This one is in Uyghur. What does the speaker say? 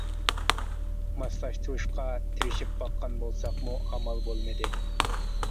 ماسلاشتۇرۇشقا تىرىشىپ باققان بولساقمۇ ئامال بولمىدى.